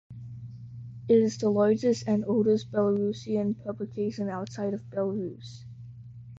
It is the largest and oldest Belarusian publication outside of Belarus.